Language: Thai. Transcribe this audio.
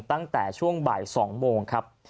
ตั้งแต่ช่วงบ่าย๒โมงครับ